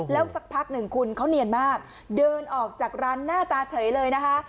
แล้วสักพักหนึ่งคุณเขาเนียนมากเดินออกจากร้านหน้าตาเฉยเลยนะคะ